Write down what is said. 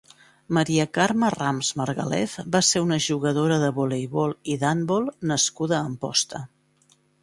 Maria Carme Rams Margalef va ser una jugadora de voleibol i d'handbol nascuda a Amposta.